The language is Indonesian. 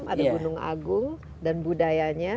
ada gunung agung dan budayanya